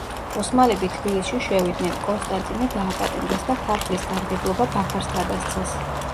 ოსმალები თბილისში შევიდნენ, კონსტანტინე დააპატიმრეს და ქართლის გამგებლობა ბაქარს გადასცეს.